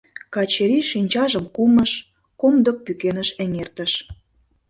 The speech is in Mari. Качырий шинчажым кумыш, комдык пӱкеныш эҥертыш.